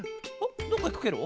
どっかいくケロ？